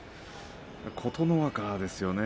琴ノ若ですね